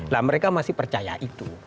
nah mereka masih percaya itu